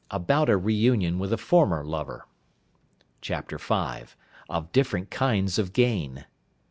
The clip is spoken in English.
About a Re union with a former Lover. " V. Of different kinds of Gain.